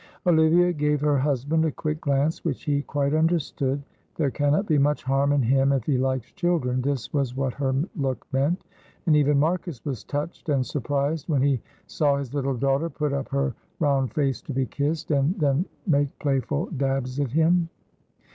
Olivia gave her husband a quick glance which he quite understood; "there cannot be much harm in him if he likes children," this was what her look meant, and even Marcus was touched and surprised when he saw his little daughter put up her round face to be kissed, and then make playful dabs at him.